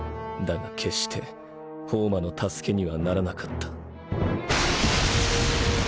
だが決してホウマの助けにはならなかった。